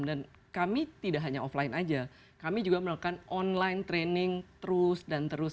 dan kami tidak hanya offline aja kami juga melakukan online training terus dan terus